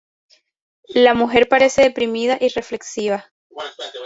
La mujer parece deprimida y reflexiva.